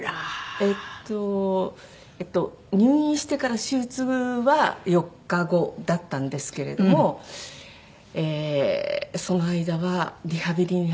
えっと入院してから手術は４日後だったんですけれどもその間はリハビリが。